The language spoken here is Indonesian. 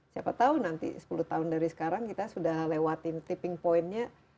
siapa tahu nanti sepuluh tahun dari sekarang kita sudah lewatin tipping pointnya